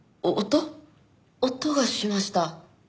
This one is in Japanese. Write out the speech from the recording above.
音がしました。